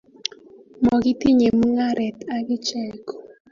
makitinye mung'aret ak icheke